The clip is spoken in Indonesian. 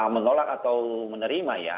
menolak atau menerima ya